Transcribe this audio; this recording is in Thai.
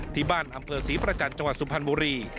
ที่บ้านอำเภอศรีประจันทร์จังหวัดสุพรรณบุรี